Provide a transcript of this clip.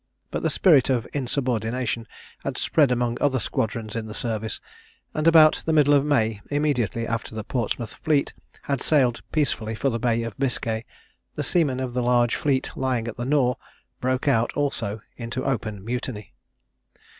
But the spirit of insubordination had spread among other squadrons in the service, and about the middle of May, immediately after the Portsmouth fleet had sailed peacefully for the Bay of Biscay, the seamen of the large fleet lying at the Nore broke out also into open mutiny.